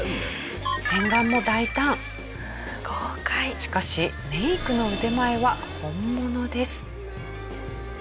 しかしメイクの腕前は本物です。